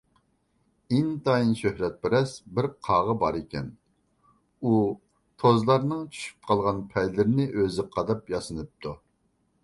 ئىنتايىن شۆھرەتپەرەس بىر قاغا بار ئىكەن. ئۇ توزلارنىڭ چۈشۈپ قالغان پەيلىرىنى ئۆزىگە قاداپ ياسىنىپتۇ.